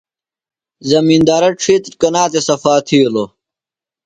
زمندارہ ڇھیتر کنا تھےۡ صفا تِھیلوۡ؟